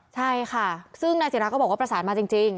ใช่ค่ะซึ่งนายศิราก็บอกว่าประสานมาจริง